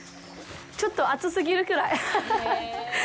ちょっと熱すぎるくらい。